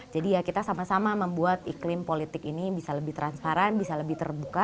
jadi ya kita sama sama membuat iklim politik ini bisa lebih transparan bisa lebih terbuka